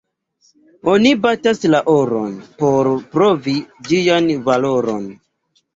Oni batas la oron, por provi ĝian valoron.